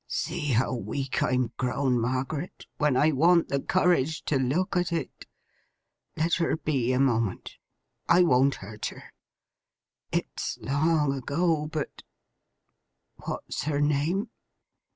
'See how weak I'm grown, Margaret, when I want the courage to look at it! Let her be, a moment. I won't hurt her. It's long ago, but—What's her name?